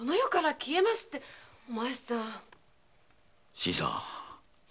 新さん！